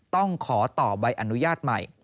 ต้องขอต่อใบอนุญาตใหม่